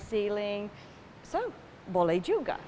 jadi boleh juga